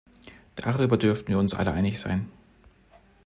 Darüber dürften wir uns alle einig sein.